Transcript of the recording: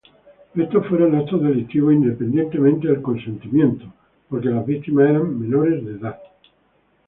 Estos fueron actos delictivos independientemente del consentimiento, porque las víctimas eran menores de edad.